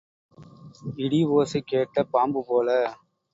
இடி ஓசை கேட்ட பாம்பு போல.